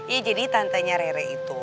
iya jadi tantenya rere itu